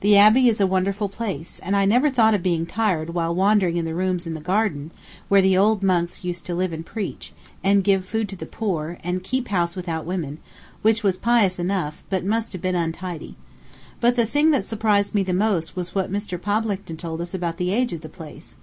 The abbey is a wonderful place, and I never thought of being tired while wandering in the rooms and in the garden, where the old monks used to live and preach, and give food to the poor, and keep house without women which was pious enough, but must have been untidy. But the thing that surprised me the most was what Mr. Poplington told us about the age of the place.